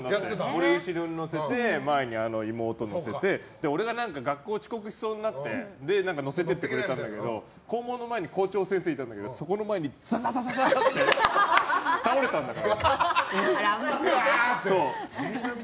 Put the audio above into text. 俺を後ろに乗せて前に妹を乗せて、俺が学校遅刻しそうになって乗せていってくれたんだけど校門の前に校長先生がいたんだけどその前にサササーって倒れたんだよ。